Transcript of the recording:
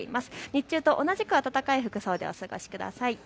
日中と同じく暖かい服装でお過ごしください。